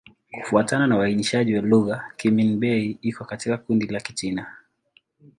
Kufuatana na uainishaji wa lugha, Kimin-Bei iko katika kundi la Kichina.